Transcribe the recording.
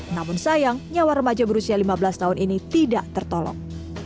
namun sayang nyawa remaja berusia lima belas tahun ini tidak tertolong